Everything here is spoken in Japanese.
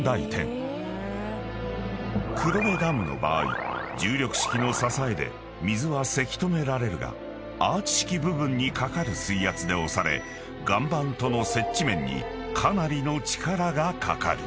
［黒部ダムの場合重力式の支えで水はせき止められるがアーチ式部分にかかる水圧で押され岩盤との接地面にかなりの力がかかる］